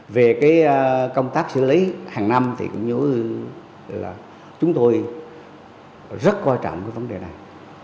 về công tác xử lý hàng năm thì cũng là chúng tôi rất quan trọng cái vấn đề này